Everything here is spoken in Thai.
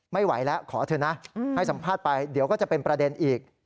ไม่ไหวแล้วขอเถอะนะให้สัมภาษณ์ไปเดี๋ยวก็จะเป็นประเด็นอีก